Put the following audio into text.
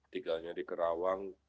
tinggalnya di kerawang